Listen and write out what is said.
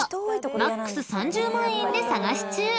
［マックス３０万円で探し中。